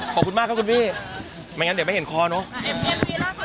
ขอบคุณมากครับคุณพี่ไม่งั้นเดี๋ยวไม่เห็นคอเนอะ